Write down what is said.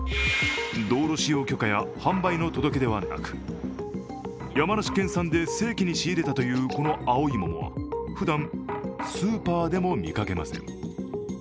道路使用許可や販売の届け出はなく山梨県産で正規に仕入れたという、この青い桃はふだんスーパーでも見かけません。